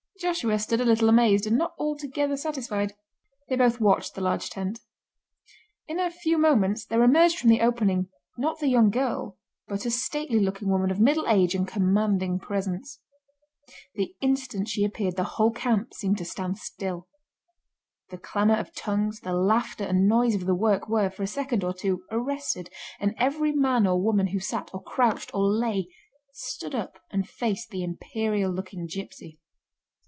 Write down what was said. Joshua stood a little amazed, and not altogether satisfied. They both watched the large tent. In a few moments there emerged from the opening not the young girl, but a stately looking woman of middle age and commanding presence. The instant she appeared the whole camp seemed to stand still. The clamour of tongues, the laughter and noise of the work were, for a second or two, arrested, and every man or woman who sat, or crouched, or lay, stood up and faced the imperial looking gipsy.